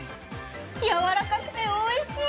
やわらかくて美味しい！